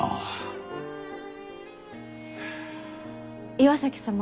岩崎様。